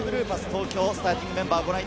東京のスターティングメンバーです。